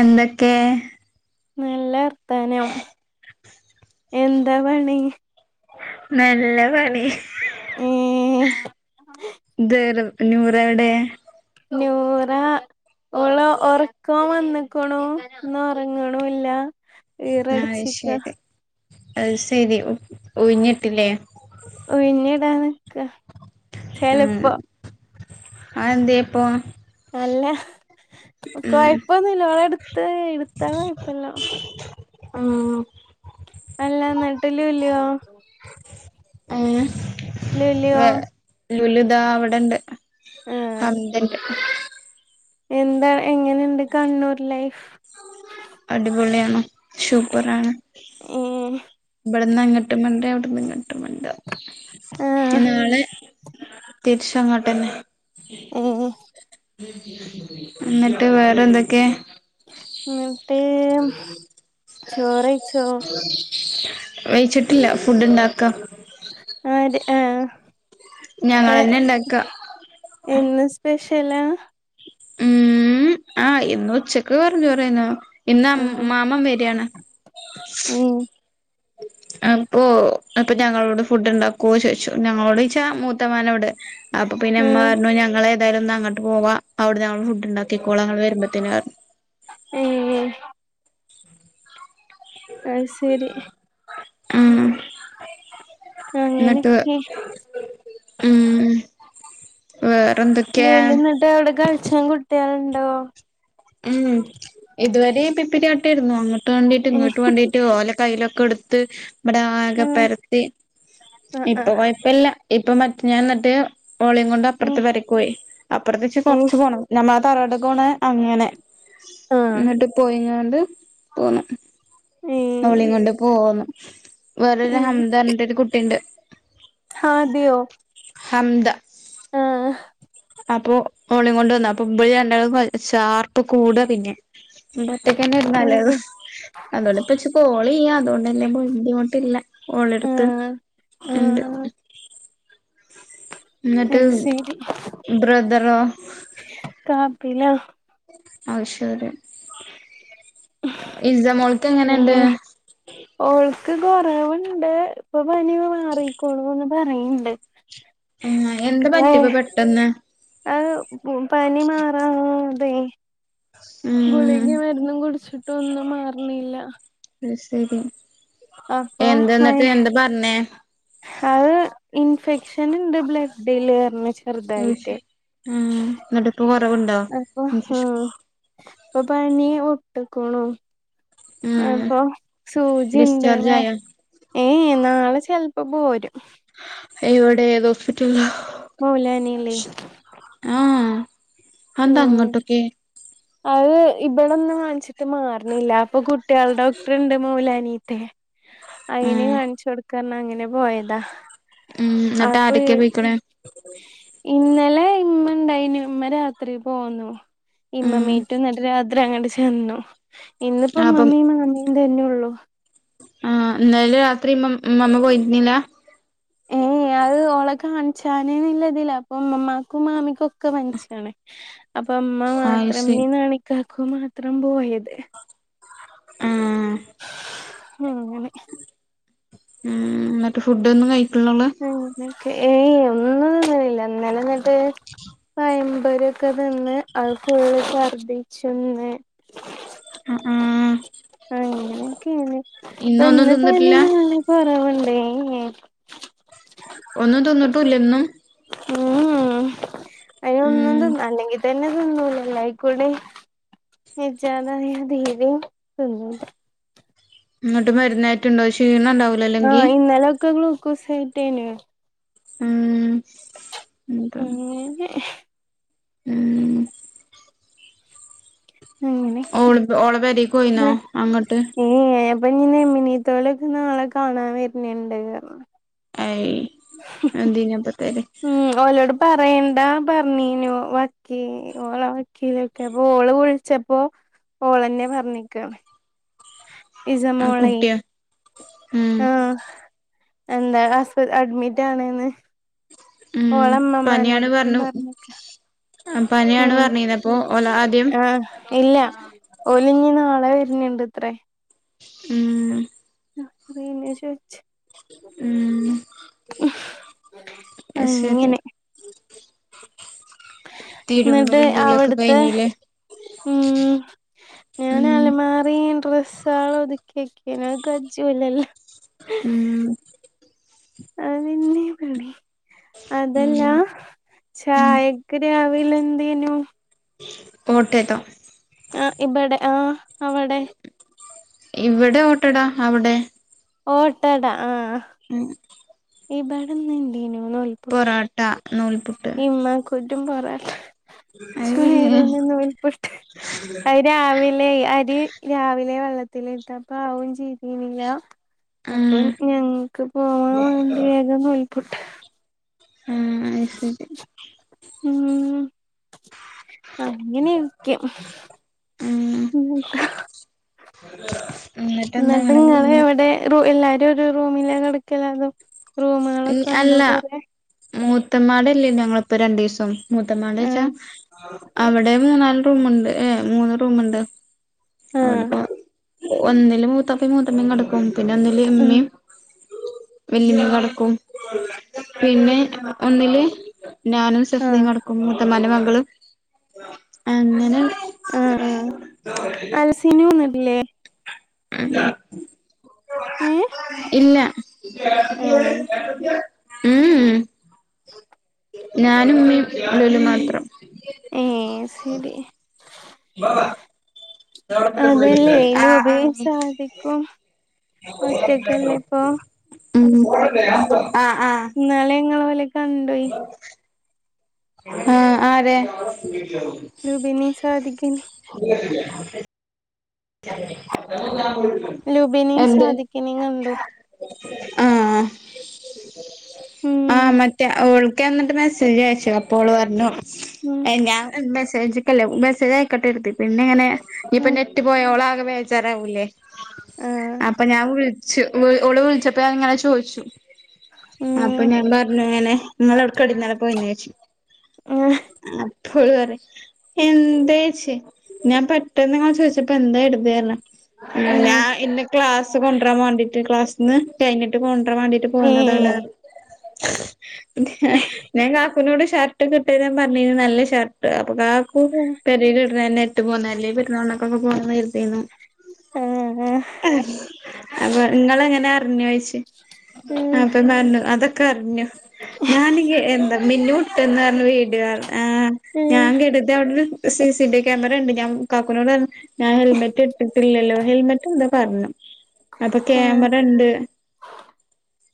എന്തൊക്കെ നല്ലർത്താനം. എന്താ പണി? നല്ല പണി. ഏ ദേർ- നൂറെവടെ? നൂറാഹ്‌.. ഓളോ ഒറക്കോം വന്ന്ക്ക്ണു ഇന്ന ഒറങ്ങ്ണൂല്ല. അഹ് ശെരി. അഹ് സെരി ഉ ഉഴിഞ്ഞ്ട്ട്ലെ? ഉയിഞ്ഞ്ടാൻ നിക്ക ആഹ്. ചെലപ്പോ അയെന്തേപ്പോ? അല്ല കൊയപ്പൊന്നുല്ലോളെട്ത്ത്, ഇട്ത്താ കൊയപ്പല്ല. മ്മ്മ് അല്ല ഇന്ന്ട്ട് ലുലോ? ഏഹ്‌? ലുലിയോ വേറെ ലുലുതാ അവടണ്ട്. ആ പന്ത്ണ്ട്. എന്താ എങ്ങനണ്ട് കണ്ണൂർ ലൈഫ്? അടിപൊളിആണ് ശൂപ്പറാണ്. ഉം ഇവടന്നങ്ങട്ടും മണ്ട അവടന്ന്ങ്ങട്ടും മണ്ട. ആ ഇന്നാളെ തിര്ച്ചങ്ങട്ടന്നെ. ഏ ഇന്ന്ട്ട് വേറെന്തൊക്കെ? ഇന്നട്ട് [inaudible] വെയ്ച്ച്ട്ട്ല്ല ഫുഡ്‌ണ്ടാക്ക ആര്? ആഹ് ഞങ്ങളന്നെ ഏഹ്‌ ഇണ്ടാക്ക ഏഹ്‌ ഇന്ന് സ്പെഷ്യലാ? ഇമ്... ആഹ് ഇന്ന് ഉച്ചക്ക് വെറുംചോറേന്നു. ഇന്ന് അം ആഹ് മാമ്മം വെരാണ്. ഉം അപ്പോ അപ്പൊഞങ്ങളോട് ഫുഡ്‌ണ്ടാക്കോ ചോയ്ച്ചു. ഞങ്ങളോട്ച്ചാ മൂത്തമ്മാനോട്. അപ്പൊപ്പിന്നെ ഉം ഇമ്മറഞ്ഞു ഞങ്ങളെ- എന്തായാലുംന്നങ്ങട്ട് പോവ, അവടന്ന് ഞങ്ങള് ഫുഡ്‌ണ്ടാക്കിക്കോള ഇങ്ങള് വര്മ്പത്തേന്അറഞ്ഞു. ഏഹ്‌. അത് ശരി ഉം ഇന്ന്ട്ട്, അങ്ങനെയൊക്കെ ഹ്‌മ് വേറെന്തൊ- ലുലുന്ന്ട്ട് അവടെ കൾചാം കുട്ട്യാള്ണ്ടോ? ഇമ്. ഇത് വരീം പിപ്പിര്യാട്ടിര്ന്നു. അങ്ങട്ട് മണ്ടീട്ടും ഏഹ് ഇങ്ങട്ട്മണ്ടീട്ടും, ഓലെ കയ്യ്ൽലൊക്കെട്ത്ത് ഇവടാകെ ഉം പരത്തി, ആഹ് ഇപ്പൊ ആഹ് കൊയപ്പല്ല. ഇപ്പോ മറ്റെ ഞാന്ന്ട്ട് ഉം ഓളെങ്ങോണ്ടപ്പർത്തെ പെരേക്കോയി അപ്പർത്ത്ച്ച ഉം കൊർച്ച്പോണം. ഞമ്മ തറവാട്ട്ക്കോണെ അങ്ങനെ. ആഹ് ഇന്ന്ട്ട് പോയിങ്ങാണ്ട് പോന്നു. ഏഹ് അവളേംകൊണ്ട് പോന്നു വേറെര് ഉം ഹംദറഞ്ഞ്ട്ടൊര് കുട്ടിണ്ട്. ഹാദ്യോ? ഹംദ. ആഹ് അപ്പോ ഓളേംകൊണ്ടന്നു. അപ്പോ ഇബല് രണ്ടാളും ച്ചാർപ്പ് കൂട്ഹാ പിന്നെ. ഇവടൊറ്റയ്ക്കന്നേര്ന്നല്ലത്. ഉം അതോണ്ട്പ്പൊച്ച് കോളെയ്യ. അതോണ്ടല്ല്യെ ബുദ്ധിമുട്ട്ല്ല ഓളെട്ത്ത്. ആഹ് ഇണ്ട്. ആഹ് ആഹ് എന്ന്ട്ട് അത് ശരി ബ്രദറോ? കാപ്പിലോ? അഹ് ശെരി. ഇസമോൾക്കെങ്ങനെണ്ട്? അങ്ങനെ ഓൾക്ക് കൊറവ്ണ്ട് ഇപ്പൊ പനി മാറീക്ക്ണൂന്ന് പറയ്ണ്ട്. ആഹ് എന്ത് വേ പറ്റ്യേപ്പൊ പെട്ടന്ന്? അത് പനി മാറാതെയ് ഉം ഗുളികേം മരുന്നും കുടിച്ചിട്ടും ഒന്നും മാറണില്ല. അത് ശെരി അപ്പൊ എന്താന്നിട്ട് എന്താ പറഞ്ഞേ? അത് ഇൻഫെക്ഷൻ ഇണ്ട് ബ്ലഡില് പറഞ്ഞുച്ചു ചെറ്തായിട്ട്. ന്നിട്ട് ഇപ്പ കൊറവുണ്ടോ? അപ്പോ ആഹ് ഇപ്പോ പനി വിട്ട്ക്ക്ണു. ഉം അപ്പോ സൂചിണ്ട് ഡിസ്ചാർജ് വേ ആയോ ഏയ് നാളെ ചെലപ്പോ പോരും. വിടെ ഏത് ഹോസ്പിറ്റലാ മൗലാനീല് ആഹ് അതന്താ ഉം അങ്ങട്ടൊക്കെ? അത് ഇവടെന്നും കാണിച്ചിട്ട് മാറണില്ല അപ്പോ കുട്ടിയാളെ ഡോക്ടർ ഇണ്ട് മൗലാനീത്തെ. അയിന് ഉം കാണിച്ചു കൊടുക്ക പറഞ്ഞ് അങ്ങനെ പോയതാ. ഉം എന്നിട്ട് അപ്പോ ഈ ആരൊക്കെയാ പോയിക്കണ് ഇന്നലെ ഇമ്മ ഇണ്ടായിനു ഇമ്മ രാത്രി പോന്നു. ഉം ഇമ്മമ്മീട്ടും ഇന്നലെ രാത്രി അങ്ങട്ട് ചെന്നു ഇന്നിപ്പോ അപ്പം ഇമ്മമ്മീ മാമി ഇന്ന് തന്നെ ഒള്ളു. ആഹ് ഇന്നല രാത്രി ഇമ്മ ഇമ്മമ്മാ പോയിന്നില്ല. ഏയ് അത് ഓളെ കാണിച്ചാനേന്നുള്ളതില്ല അപ്പോ ഇമമ്മാക്കും മാമിക്കും ഒക്കെ പനിച്ചാണ് [inaudible] അപ്പോ ഇമ്മ അത് മാത്രം ശരി [unintelligible] നാണിക്കാക്കു മാത്രം പോയത്. ആഹ് അങ്ങനെ. ഉം ന്നിട്ട് ഫുഡ് ഒന്നും കഴിക്ക്ണിലോള്. ഏയ്‌ ഒന്നും തിന്നണില്ല ഇന്നലെ എന്നിട്ട് പയം പൊരിയൊക്കെ തിന്ന് അത് ഫുൾ ശർദിച്ചിന്ന് ആഹ് ആഹ് അങ്ങനെയൊക്കെയാണ് ഇപ്പോ ഇന്നൊന്നും ഇന്ന് പനി തിന്നിട്ടില്ല നല്ല കൊറവ്ണ്ടേ ഒന്നും തിന്നിട്ടുല്ല ഇന്ന് ഉം ഉം അയ്ന് ഒന്നും ഉം തിന്നാൻ അല്ലെങ്കിത തന്നെ തിന്നുല അയികുടി [unintelligible] എന്നട്ട് മരുന്നയറ്റ്ണ്ടോ ക്ഷീണം ഉണ്ടാ ആഹ് ഇന്നലൊക്കെ ഗ്ലൂക്കോസ് കേറ്റീന് ഉം [unintelligible] അങ്ങനെ ഉം അങ്ങനെയൊക്കെ ഓള് ഓള് പെരേക്ക് പോയി [unintelligible] അപ്പൊ ഇഞ്ഞ് [unintelligible] ലൊക്കെ നാളെ കാണാൻ വര്ണ്ണ്ണ്ട് അവെ. [unintelligible] ഉം ഓലോട് പറയണ്ടാ പറഞ്ഞീനു വക്കി ഓള വക്കീലൊക്കെ, അപ്പ ഓല് പോയി, ചപ്പോ ഓളെന്നെ പറഞ്ഞിക്കാ. [inaudible] ഇസമോളെയ് കുട്ടിയാ ഉം ആഹ. എന്താ ആസ അഡ്മിറ്റ് ആണ് ന്ന്. ഉം പനിയാണ് ഓളമ്മമാനോട് ട്ടും പറഞ്ഞു പറഞ്ഞേക്ക. പനിയാണ് പറഞ്ഞിനൊ, അപ്പൊ ഓല് ആദ്യം. ആഹ് ഇല്ല ഓലിഞ്ഞി നാളെ വര്ണ്ണണ്ടത്രേ. ഉം ഉം [unintelligible] അയ് ശരി. അങ്ങനെ എന്നിട്ട് തിരുമ്പലും കൂളിയൊക്കെ അവിടുത്തെ കഴിഞ്ഞീലെ? ഉം ഉം. ഡ്രസ്സാള ഒതുക്കി വെക്കേനു. [unintelligible] ഉം അതെന്നെ പണി. അതല്ല, ഉം ചായക്ക് രാവില എന്തേനു? [unintelligible] ആ ഇബ്ടെ ആ അവടെ. ഇവിടെ ഓട്ടടാ. അവിടെ? ഓട്ടട ആഹ്. ഉം. ഇബട ന്ന് എന്തേനു [unintelligible] പൊറോട്ട, നൂൽപുട്ട്. പുട്ടും, പോറോട്ട. ഉം [unintelligible] നൂൽപുട്ട് അത് രാവിലെ അരി, രാവിലെ വെള്ളത്തിലിട്ടപ്പ ആവുന്ന് [unintelligible] [inaudible] അപ്പൊ ഞങ്ങക്ക് പോവാൻ വേണ്ടി വേഗം നൂൽപുട്ട്. ആഹ് അത് ശരി. ഉം അങ്ങനെയൊക്കെ. ഉം [inaudible] ന്ന്ട്ട് അങ്ങനെ ഇങ്ങള് പോന്ന് എവിടെ എല്ലാരും ഒരു റൂമിലാ കിടക്കല് അതും. ഉം അല്ല. മൂത്തമ്മാടല്ലേ ഞങ്ങളിപ്പോ രണ്ടിസം. മുത്തമാടെ വച്ചാ. ആഹ് അവിടെ മൂന്നാല് റൂമുണ്ട്, ഏ മൂന്ന് റൂമുണ്ട്. ആഹ് അവിടപ്പം ഒന്നില് മൂത്തപ്പയും മൂത്തമ്മയും കിടക്കും. പിന്നെ ഒന്നില് ഉം ഉമ്മേം, [unintelligible] കും. പിന്നെ ഒന്നില് ഞാനും ആഹ് സെഫിദയും കെടക്കും. മ്മാൻ്റെ മക്കള്. അങ്ങനെ. [unintelligible] ട്ടില്ലേ? [inaudible] ഏ ഇല്ല. മ് ഉം. ഞാനും ഉമ്മീയും [unintelligible] മാത്രം. ഏ ശരി. [inaudible] അതല്ലേ ആഹ് ആഹ് [unintelligible] സാധിക്കും, ഒറ്റക്കല്ലേ ഇപ്പൊ ഉ ആ ആഹ [inaudible] നാളെ ഇങ്ങള് ഓലെ കണ്ടോയ് ആഹ ആരെ റുബീനേം സാധിക്കിനയും ഉ [inaudible] [inaudible] ലുബിനേം, എന്ത് സാധിക്കിനേയും കണ്ടോ ആഹ് ആ ഉം മറ്റേ അവൾ എന്നിട്ട് മെസ്സേജ് അയച്ചു. അപ്പോൾ ഓള് പറഞ്ഞു. ഉം ഞാൻ മെസ്സേജല്ലേ. മെസ്സേജ് ആയക്കട്ടേന്ന് എടുത്ത്. പിന്നെ ഞാന് ഇങ്ങനെ ഇപ്പൊ ഉം കുട്ടി പോയ ഓള് ആകെ വേജാറാവൂലേ. ആഹ് അപ്പൊ ഞാൻ വി ഓള് വിളിച്ചപ്പോ ഞാനങ്ങനെ ചോദിച്ചു. അപ്പൊ ഉം ഞാൻ പറഞ്ഞു അങ്ങനെ നിങ്ങളൊട്കാടി ഇന്നലെ പോയോന്ന് ചോദിച്ച്. ആഹ് അപ്പോള് പറഞ്ഞു എന്തേച്ച ഞാൻ പെട്ടെന്ന് ങ്ങനെ ഇത് ഇപ്പ എന്താ എടുക്കേരണ ഉം ഞാൻ ഇന്ന് ക്ലാസ് കൊണ്ടരാൻ വേണ്ടിട്ട് ക്ലാസ്ന്ന് കഴിഞ്ഞിട്ട് ട്ട് കൊണ്ട്വരാൻ വേണ്ടിട്ട് പോന്നതാണ്. ഏഹ് ഞാൻ കാക്കുനോട് ഷർട്ട് ഇട്ട് വരാൻ പറഞ്ഞിത് നല്ല ഷർട്ട് അപ്പ കാക്കും ഉം പെരേലിടണ തന്നെ ഇട്ട് പോന്നല്ലേ പെരുനാളിനൊക്കെ ഒന്ന് പോകാന്ന് കരുതിരുന്നു ആഹ് ആഹ് അപ്പൊ നിങ്ങള് എങ്ങന അറിഞ്ഞ്യ്ച്ച് ഉം ആപ്പ പറഞ്ഞു അതൊക്കെ അറിഞ്ഞു ഞാനി കെ എന്താ മിന്നു ട്ട്ന്ന് പറഞ് വീടുകാര് ആഹ് ഉം ഞാൻ കേട്ടുതി അവിടുന്ന് C C T V camera ഉണ്ട് ഞാൻ കാക്കുനോട് പറഞ്ഞു ഞാൻ ഹെൽമെറ്റ് ഇട്ടില്ലല്ലോ ഹെൽമെറ്റ് എന്തോ പറഞ്ഞു അപ്പൊ ആഹ് ക്യാമറ ഉണ്ട്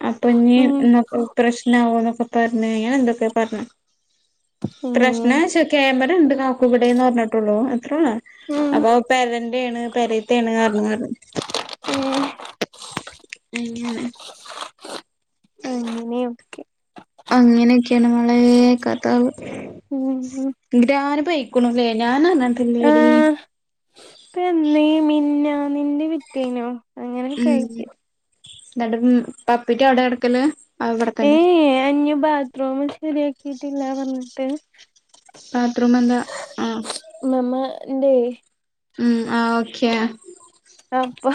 അപ്പൊ ഞ്ഞി ഉം ഇന്നോക്കെ പ്രശ്നാകുവോ എന്നൊക്കെ പറഞ്ഞ് ഞാൻ എന്തൊക്കെ പറഞ്ഞു ഏഹ് പ്രശ്നച്ച് ക്യാമറേണ്ട് കാക്കു ഇവിടെന്ന് പറഞ്ഞിട്ടുള്ളൂ അത്രേള്ളൂ ഉം അപ്പൊ പെരെന്റെണ് പെരേത്തേണ് പറഞ് പറഞ്ഞു ഉം അയ്യോ ഉം നി ഓക്കെ അങ്ങനെക്കെയാണ് മോളെ കഥക ഉം ഉം ഗ്രാനപ്പേ കുണുവെ ഞാനങ്ങൻ തന്നേടി ഇപ്പ എന്നീ മിന്നി മിന്നി വിറ്റിനോ ഉം എന്നിട്ടിപ്പം പപ്പിറ്റ അവിടെ കിടക്കല് അവിടെ തന്നെ ഏയ് അയ്ന് ബാത്രൂമ് ശരിയാക്കിട്ടില്ല പറഞ്ഞിട്ട് ബാത്രൂം എന്താ ആഹ് നമ്മ ന്റെ ഉം ആഹ് ഓക്കെ അപ്പൊ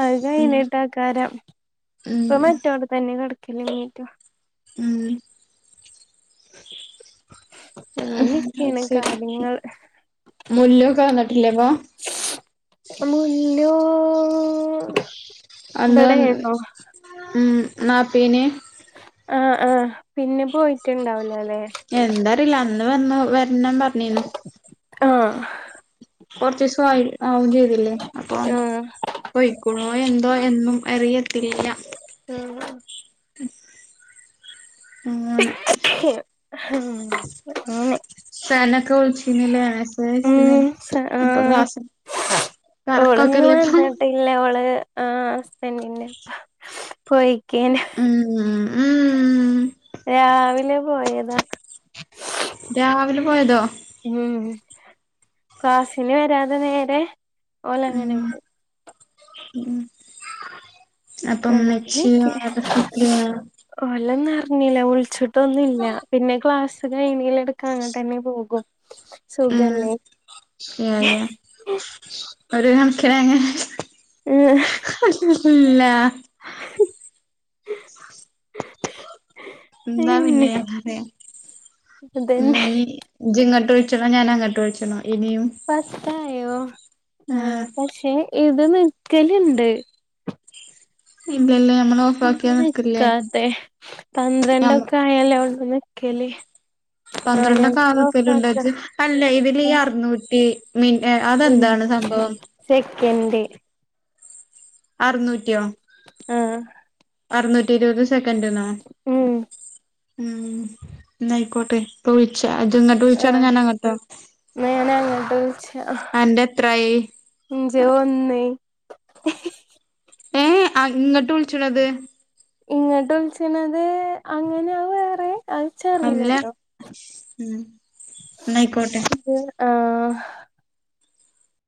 അത് ഉം കഴിഞ്ഞിട്ട ആക്കാരം ഇപ്പൊ ഉം മറ്റോട തന്നെ കടക്ക കിലിങ്ങിറ്റ്വാ ഉം അങ്ങനെക്കെണ് കാര്യങ്ങള് മുല്ലുക്കെ വന്നിട്ടില്ലേ അപ്പൊ മുല്ലു അന്ന് ഉം നാപ്പീന് ആഹ് ആഹ് പിന്നെ പോയിട്ടുണ്ടാവില്ല അല്ലേ എന്താ അറിയില്ല അന്ന് വന്ന് വരണം പറഞ്ഞീന്നു ആഹ് കൊറച്ച് ദിവസം ആയി ആവും ചെയ്തില്ലേ അപ്പൊ ആഹ് പോയ്ക്കോളുവോ എന്തോ എന്നും അറിയത്തില്ല ഉം അങ്ങനെ ഉം സനൊക്കെ വിളിച്ചീന്നില്ലേ മെസേ അയച്ചിന്ന് അപ്പൊ ക്ലാസ് ഓളിന്നു കറക്കൊക്കെല്ലേ ഇപ്പൊ വന്നിട്ടില്ല അവള് ആഹ് ഹസ്ബന്റിന്റെ ഉം ഉം രാവിലെ പോയതാ രാവിലെ പോയതോ ഉം ക്ലാസിന് വരാതെ നേരെ ഓല് ഉം അങ്ങനങ്ങ് പോയി ഉം അപ്പ ഉമ്മച്ചിയോ അവരുടെ [unintelligible] ഓല് ഒന്നും അറിഞ്ഞില്ല വിളിച്ചിട്ടൊന്നുംല്ല പിന്നെ ക്ലാസ് ഇപ്പ ദേ റീലെടുക്കാ അങ്ങനെ തന്നെ പോകും ഉം സുഖല്ലേ യാ യാ ഒരു കണക്കിന് ഉം അല്ല എന്താ പിന്ന പിന്നെ ഞാൻ പറയാം എന്നാ അതന്നെ നീ ജ് ഇങ്ങട്ടൊഴിച്ചണോ ഞാൻ അങ്ങോട്ട് ഒഴിച്ചണം ഇനിയും പത്തായോ ആഹ് പക്ഷെ ഇത് നിക്കലുണ്ട് ഇതല്ലേ നമ്മളു ഇത് നിക്കാത്തെ ഞമ്മ പന്ത്രണ്ടൊക്കെ ആയല്ലോ ഇവിടെ നിക്കല് ആഹ് പന്ത്രണ്ടൊക്ക ആ ഞമ്മക്ക് നിക്കല് ഓഫാക്ക ഉണ്ടെജ് അല്ല ഇതിൽ ഈ അറുന്നൂറ്റി മി എ അതെന്താണ് സംഭവം സെക്കന്‍ഡ് അറുന്നൂറ്റിയോ ആഹ് അറുനൂറ്റി ഇരുപത് സെക്കൻ്റെന്നോ ഉം ഉം എന്നാ ആയിക്കോട്ടെ ഇപ്പ വിളിച്ച ചെന്നിട്ട് വിളിച്ചാണോ ഞാൻ അങ്ങട്ടോ എന്നാ ഞാനങ്ങ് അങ്ങോട്ട് വിളിച്ചാ അന്റെ എത്രായി [unintelligible] ആ ഇങ്ങട്ട് വിളിച്ചുടത് ഇങ്ങട്ട് വിളിച്ചണത് അങ്ങനെയാ വേറെ അ ച്ചാ അല്ല അറീലാട്ടോ ഉം എന്നായിക്കോട്ടെ ഇത് ആഹ്